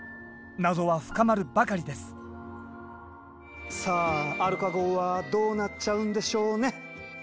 謎は深まるばかりですさあアルカ号はどうなっちゃうんでしょうねっ？